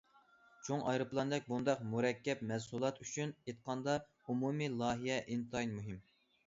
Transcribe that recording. چوڭ ئايروپىلاندەك بۇنداق مۇرەككەپ مەھسۇلات ئۈچۈن ئېيتقاندا، ئومۇمىي لايىھە ئىنتايىن مۇھىم.